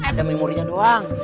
ada memorinya doang